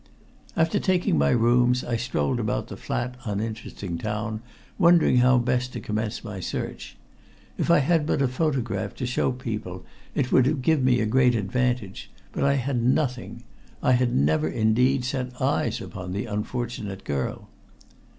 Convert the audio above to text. After taking my rooms, I strolled about the flat, uninteresting town, wondering how best to commence my search. If I had but a photograph to show people it would give me a great advantage, but I had nothing. I had never, indeed, set eyes upon the unfortunate girl.